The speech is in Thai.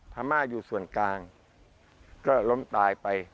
พม่าอยู่ส่วนกลางก็ล้มตายไป